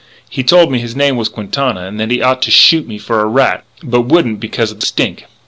"He told me his name was Quintana, and that he ought to shoot me for a rat, but wouldn't because of the stink.